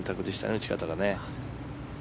打ち方がね。